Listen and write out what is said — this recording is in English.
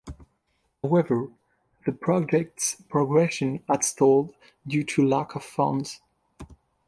However, the project's progression had stalled due to lack of funds.